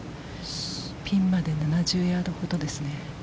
ピンまで７０ヤードほどですね。